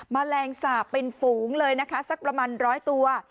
แมลงสาปเป็นฝูงเลยนะคะสักประมาณร้อยตัว